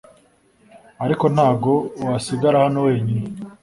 ariko ntago wasigara hano wenyine